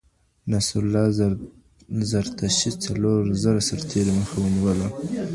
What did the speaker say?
نصرالله زرتشي څلور زره سرتېري مخه ونیوله.